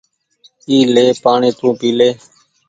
اي لي پآڻيٚ تونٚ پيلي